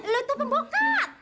lo itu pembongkat